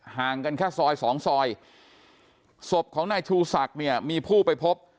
ห่างกันแค่ซอยสองซอยศพของนายชูศักดิ์เนี่ยมีผู้ไปพบ